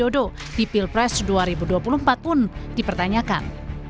jokowi dodo di pilpres dua ribu dua puluh empat pun dipertanyakan